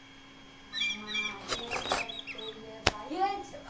まぁデートっていえば遊園地とか？